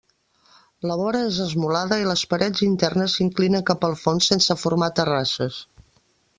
La vora és esmolada, i les parets internes s'inclinen cap al fons sense formar terrasses.